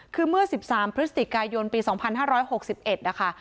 คือเมื่อ๑๓พฤศจิกายนปี๒๕๖๑นะคะ